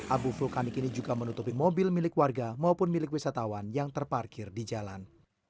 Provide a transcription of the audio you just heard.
abu vulkanik ini juga menutupi mobil milik warga maupun milik wisatawan yang terparkir di jalan